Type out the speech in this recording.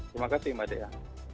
terima kasih mbak dea